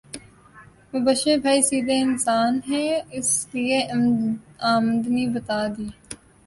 مبشر بھائی سیدھے انسان ہے اس لیے امدنی بتا دی